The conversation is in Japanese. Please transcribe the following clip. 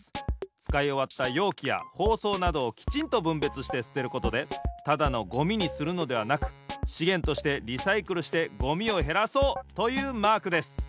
つかいおわったようきやほうそうなどをきちんとぶんべつしてすてることでただのゴミにするのではなくしげんとしてリサイクルしてゴミをへらそうというマークです。